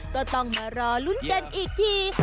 ก็ต้องมารอลุ้นกันอีกที